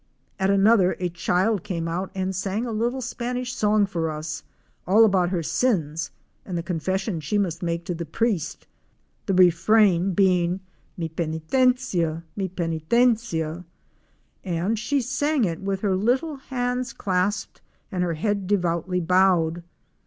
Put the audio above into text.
At another a child came out and sang a little Spanish song for us — all about her sins and the confession she must make to the priest, the refrain being "Mz penetencia! mi penetencia"! and she sang it with her small hands clasped and her head devoutly bowed.